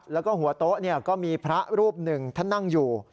แล้วก็หัวโต๊ะก็มีพระรูปหนึ่งท่านนั่งอยู่